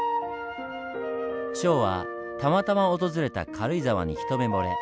ショーはたまたま訪れた軽井沢に一目ぼれ。